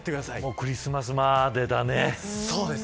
クリスマスまでだね。